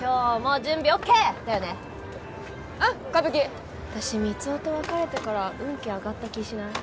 うん完璧私満男と別れてから運気上がった気しない？